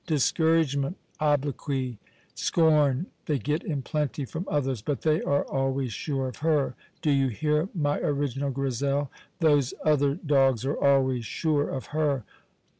Discouragement, obloquy, scorn, they get in plenty from others, but they are always sure of her, do you hear, my original Grizel? those other dogs are always sure of her.